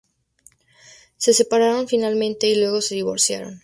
Se separaron finalmente y luego se divorciaron.